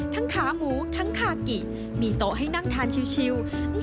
ขาหมูทั้งคากิมีโต๊ะให้นั่งทานชิว